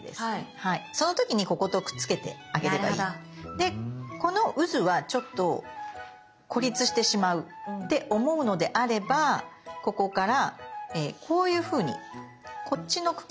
でこのうずはちょっと孤立してしまうって思うのであればここからこういうふうにこっちの茎に向かって葉っぱを。